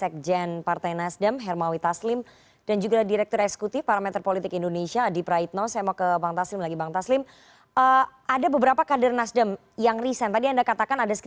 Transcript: kami sampai kepada keputusan menetapkan anies sebagai jawab res karena kita tahu semua